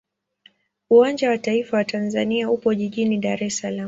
Uwanja wa taifa wa Tanzania upo jijini Dar es Salaam.